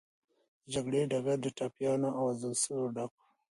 د جګړې ډګر د ټپيانو او وژل سوو ډک و.